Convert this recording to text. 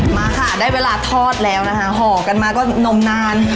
มาค่ะได้เวลาทอดแล้วนะคะห่อกันมาก็นมนาน